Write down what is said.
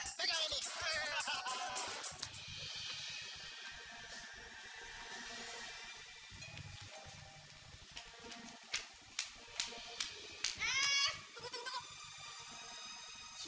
tunggu tunggu tunggu